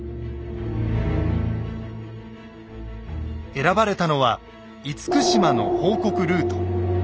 選ばれたのは「厳島」の報告ルート。